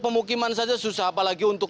pemukiman saja susah apalagi untuk